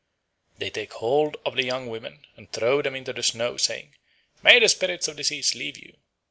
They take hold of the young women and throw them into the snow, saying, "May the spirits of disease leave you."